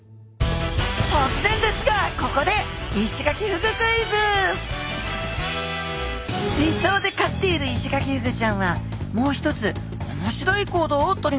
とつぜんですがここで水槽で飼っているイシガキフグちゃんはもう一つ面白い行動をとります。